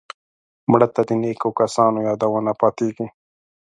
مړه ته د نیکو کسانو یادونه پاتېږي